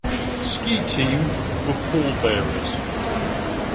Ski Team were pallbearers.